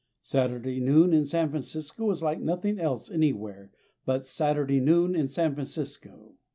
Saturday noon in San Francisco is like nothing else anywhere but Saturday noon in San Francisco.